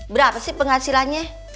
berapa sih penghasilannya